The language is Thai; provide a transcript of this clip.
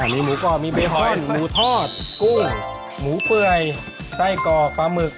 มีหมูกรอบมีเบคอนหมูทอดกุ้งหมูเปื่อยไส้กรอกปลาหมึก